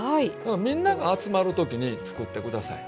みんなが集まる時に作って下さい。